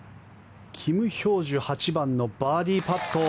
キム・ヒョージュ８番のバーディーパット。